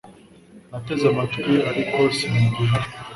Nateze amatwi ariko sinumva ijwi